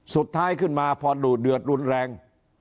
สุดท้ายขึ้นมาพอดูดเดือดรุนแรง